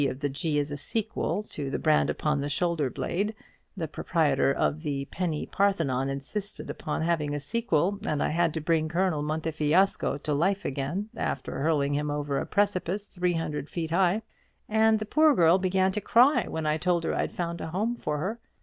of the G.' is a sequel to 'The Brand upon the Shoulder blade;' the proprietor of the 'Penny Parthenon' insisted upon having a sequel, and I had to bring Colonel Montefiasco to life again, after hurling him over a precipice three hundred feet high), and the poor girl began to cry when I told her I'd found a home for her.